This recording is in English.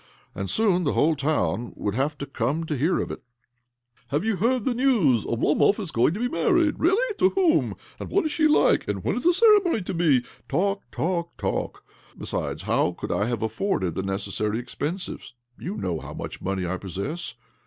And soon the whole town would have come to hear of it. ' Have you yet heard the news? Oblomov is going to be married I '' Really ? 14 2IO OBLOMOV To whom? And what is she like? And when is the ceremony to be ?' Talk, talk, talk ! Besides, how could I have afforded the necessary expenses? You know how much money I possess.